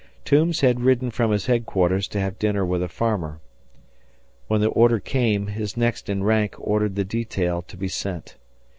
Toombs had ridden from his headquarters to have dinner with a farmer. When the order came, his next in rank ordered the detail to be sent.